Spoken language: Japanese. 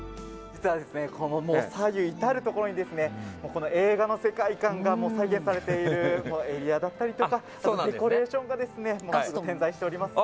実は左右至るところに映画の世界観が再現されているエリアだったりとかデコレーションが点在しております。